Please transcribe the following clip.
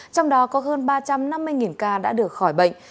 trong đó có hơn ba trăm năm mươi ca đã được khỏi bệnh